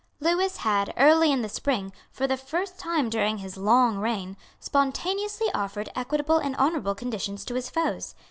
Lewis had, early in the spring, for the first time during his long reign, spontaneously offered equitable and honourable conditions to his foes.